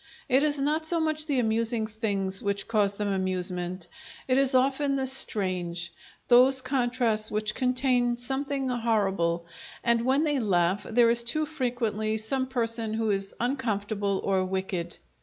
It is not so much the amusing things which cause them amusement; it is often the strange, those contrasts which contain something horrible, and when they laugh there is too frequently some person who is uncomfortable or wicked.